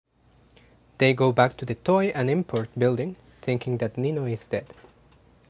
They go back to the Toy and Import building, thinking that Nino is dead.